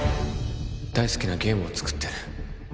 大好きなゲームを作ってる